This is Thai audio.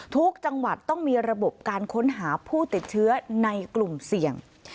ทุกจังหวัดต้องมีระบบการค้นหาผู้ติดเชื้อในกลุ่มเสี่ยง